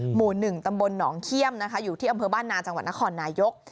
หมู่๑ตำบลหนองเขี้ยมนะคะอยู่ที่อำเภอบ้านนาจังหวัดนครนายก